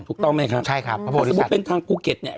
ถูกต้องไหมครับใช่ครับพระโพธิศัตริย์สมมุติเป็นทางภูเก็ตเนี้ย